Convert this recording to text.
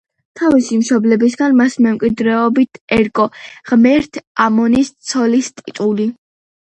თავისი მშობლებისაგან მას მემკვიდრეობით ერგო „ღმერთ ამონის ცოლის“ ტიტული.